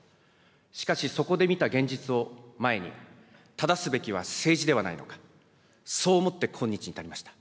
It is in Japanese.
しかし、そこで見た現実を前に、ただすべきは政治ではないのか、そう思って今日に至りました。